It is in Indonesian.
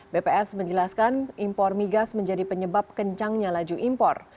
bps menjelaskan impor migas menjadi penyebab kencangnya laju impor